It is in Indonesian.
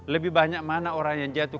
lebih banyak mana orang yang jatuh